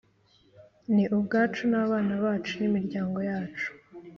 ni ubwacu n’abana bacu nimiryango yacu